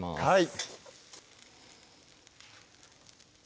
はい